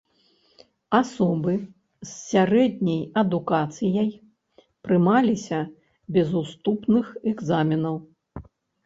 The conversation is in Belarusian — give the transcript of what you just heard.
Асобы з сярэдняй адукацыяй прымаліся без уступных экзаменаў.